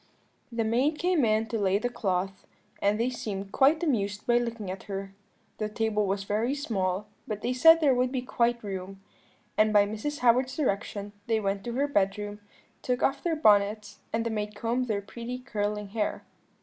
"The maid came in to lay the cloth, and they seemed quite amused by looking at her. The table was very small, but they said there would be quite room; and by Mrs. Howard's direction they went to her bedroom, took off their bonnets, and the maid combed their pretty curling hair.